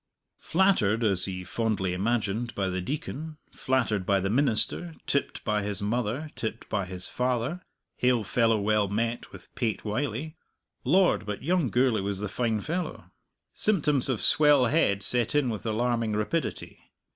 Flattered (as he fondly imagined) by the Deacon, flattered by the minister, tipped by his mother, tipped by his father, hail fellow well met with Pate Wylie Lord, but young Gourlay was the fine fellow! Symptoms of swell head set in with alarming rapidity.